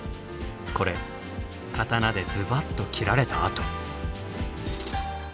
これ刀でズバッと斬られた痕。